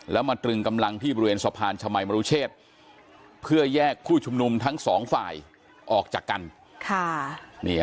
แล้วมาตรึงกำลังที่บริเวณสะพานชมัยมรุเชษเพื่อแยกผู้ชุมนุมทั้งสองฝ่ายออกจากกัน